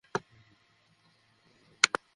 হাসপাতালে ফিরে যাওয়া উচিৎ আমাদের!